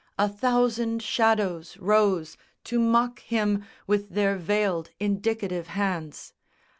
A thousand shadows rose To mock him with their veiled indicative hands.